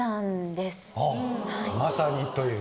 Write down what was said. まさにという。